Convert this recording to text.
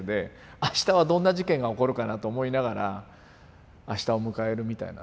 あしたはどんな事件が起こるかなと思いながらあしたを迎えるみたいなね。